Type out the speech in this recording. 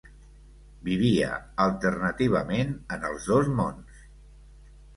Vivia alternativament en els dos mons.